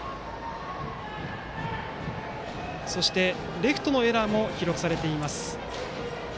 そして、レフトのエラーも記録されています。